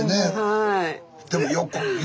はい。